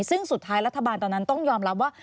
ซึ่งสุดท้ายรัฐบาลตอนนั้นต้องยอมรับว่า